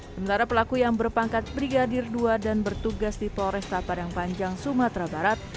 sementara pelaku yang berpangkat brigadir dua dan bertugas di polresta padang panjang sumatera barat